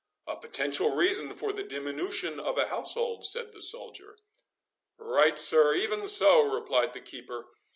"A potential reason for the diminution of a household," said the soldier. "Right, sir, even so," replied the keeper.